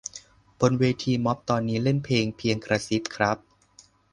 บนเวทีม็อบตอนนี้เล่นเพลง "เพียงกระซิบ" ครับ